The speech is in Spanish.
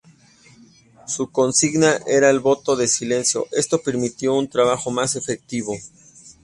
Su consigna era el voto de silencio, esto permitió un trabajo más efectivo.